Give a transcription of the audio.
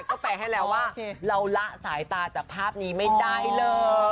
ก็แปลให้แล้วว่าเราละสายตาจากภาพนี้ไม่ได้เลย